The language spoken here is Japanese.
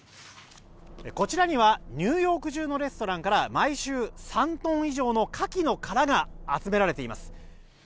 こちらにはニューヨーク中のレストランから毎週、３トン以上のカキの殻が集められています。